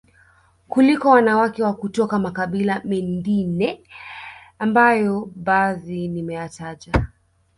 kuliko wanawake wa kutoka makabila mendine ambayo badhi nimeyataja